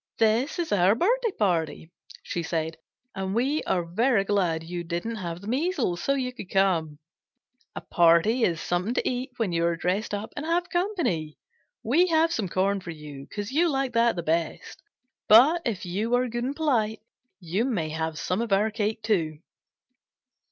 "This is our birthday party," she said, "and we are very glad you didn't have the measles, so you could come. A party is something to eat when you are dressed up and have company. We have some corn for you because you like that best, but if you are good and polite you may have some of our cake, too."